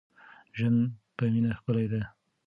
ژوند په مینه ښکلی دی.